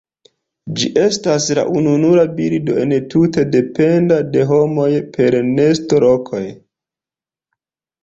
Ĝi estas la ununura birdo entute dependa de homoj por nestolokoj.